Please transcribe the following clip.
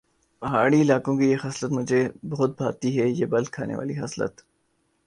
پہاڑی علاقوں کی یہ خصلت مجھے بہت بھاتی ہے یہ بل کھانے والی خصلت